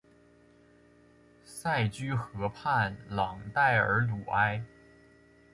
塞居河畔朗代尔鲁埃。